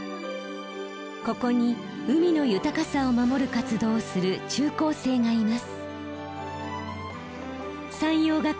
ここに海の豊かさを守る活動をする中高生がいます。